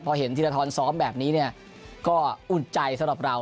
พอเห็นธีรทรซ้อมแบบนี้เนี่ยก็อุ่นใจสำหรับเรา